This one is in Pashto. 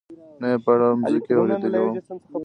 نه یې په اړه مخکې اورېدلي وو.